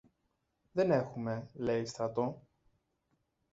Δεν έχουμε, λέει, στρατό!